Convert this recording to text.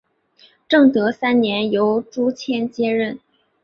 正德三年由朱鉴接任。